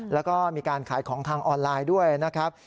แล้วก็มีการขายของทางออนไลน์ด้วยนะครับ